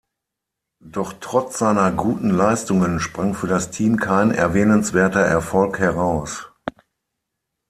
Doch trotz seiner guten Leistungen sprang für das Team kein erwähnenswerter Erfolg heraus.